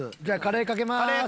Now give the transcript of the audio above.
じゃあカレーかけまーす。